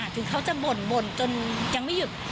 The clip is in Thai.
ถึงเขาจะบ่นจนยังไม่หยุด